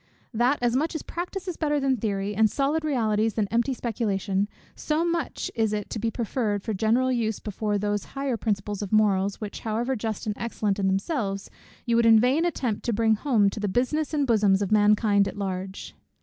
That, as much as practice is better than theory, and solid realties than empty speculation, so much is it to be preferred for general use before those higher principles of morals, which however just and excellent in themselves, you would in vain attempt to bring home to the 'business and bosoms of mankind' at large.